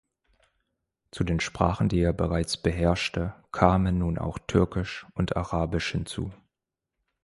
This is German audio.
Zu den Sprachen, die er bereits beherrschte, kamen nun auch Türkisch und Arabisch hinzu.